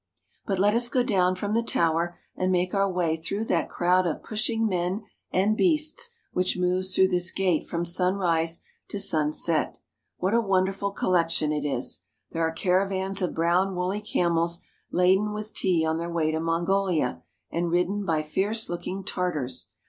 But let us go down from the tower and make our way through that crowd of pushing men and beasts which moves through this gate from sunrise to sunset. What a wonder ful collection it is ! There are caravans of brown woolly camels laden with tea on their way to Mongolia and ridden by fierce looking Tartars.